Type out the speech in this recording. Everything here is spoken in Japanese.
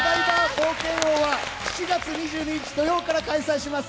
冒険王は７月２２日土曜から開催します。